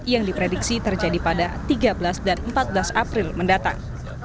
yang diprediksi terjadi pada tiga belas dan empat belas april mendatang